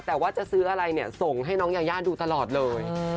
แต่ว่าจะสื้ออะไรส่งให้น้องญาวแย้าดูตลอดเลย